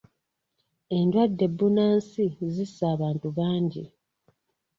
Endwadde bunnansi zisse abantu bangi.